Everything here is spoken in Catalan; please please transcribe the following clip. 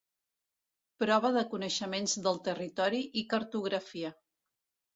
Prova de coneixements del territori i cartografia.